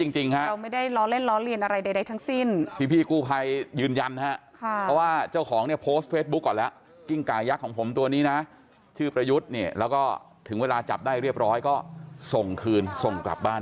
ลงลงลงลงลงลงลงลงลงลงลงลงลงลงลงลงลงลงลงลงลงลงลงลงลงลงลงลงลงลงลงลงลงลงลงลงลงลงลงลงลงลงลงลงล